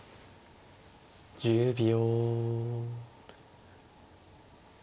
１０秒。